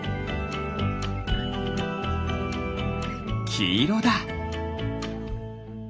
きいろだ。